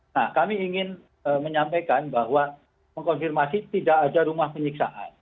nah kami ingin menyampaikan bahwa mengkonfirmasi tidak ada rumah penyiksaan